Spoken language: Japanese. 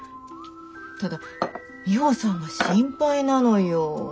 ただミホさんが心配なのよ。